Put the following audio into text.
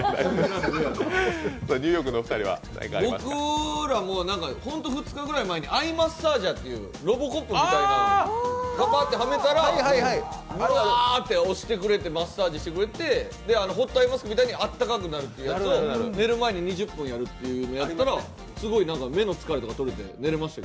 僕らも本当に２日ぐらい前にアイマッサージャーっていうロボコップみたいな、カパッとはめたらうわーって押してくれてマッサージしてくれてホットアイマスクみたいにあったかくなるというのを寝る前に２０分ぐらいやったらすごい目の疲れとかとれて寝れましたよ。